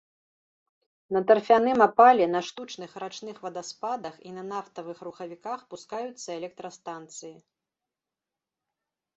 На тарфяным апале, на штучных рачных вадаспадах і на нафтавых рухавіках пускаюцца электрастанцыі.